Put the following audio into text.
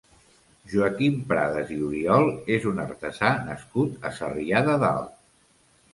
Joaquim Pradas i Oriol és un artesà nascut a Sarrià de Dalt.